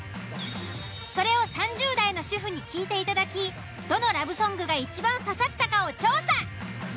それを３０代の主婦に聴いていただきどのラブソングがいちばん刺さったかを調査。